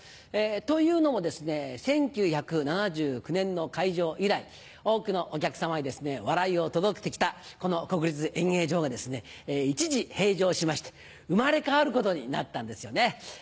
というのも１９７９年の開場以来多くのお客さまに笑いを届けてきたこの国立演芸場が一時閉場しまして生まれ変わることになったんですよね。